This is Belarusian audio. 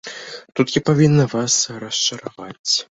Тут я павінна вас расчараваць.